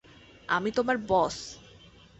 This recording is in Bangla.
আমি তোমার বস!